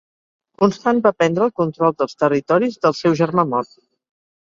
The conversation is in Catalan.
Constant va prendre el control dels territoris del seu germà mort.